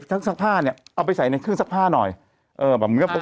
ทั้งสักผ้าเนี้ยเอาไปใส่ในเครื่องสักผ้าหน่อยเออแบบมึงก็